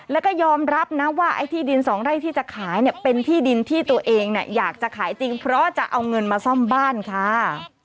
แล้วก็ยอมรับนะว่าไอ้ที่ดินสองไร่ที่จะขายเนี่ยเป็นที่ดินที่ตัวเองอยากจะขายจริงเพราะจะเอาเงินมาซ่อมบ้านค่ะ